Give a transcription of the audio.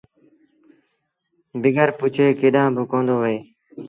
بگر پُڇي ڪيڏآݩ با ڪوندو وهي